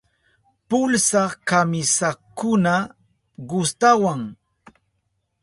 Pulsa kamisakuna gustawan.